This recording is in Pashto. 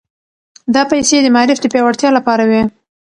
دا پيسې د معارف د پياوړتيا لپاره وې.